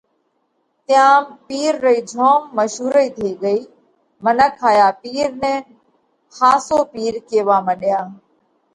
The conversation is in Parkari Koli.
تيام پِير رئِي جوم مشُورئِي ٿي ڳئِي۔ منک هايا پِير نئہ ۿاسو پِير ڪيوا مڏيا۔